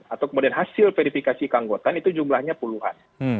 atau kemudian hasil verifikasi keanggotaan itu jumlahnya puluhan